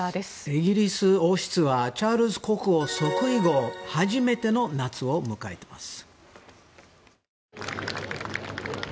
イギリス王室はチャールズ国王即位後初めての夏を迎えています。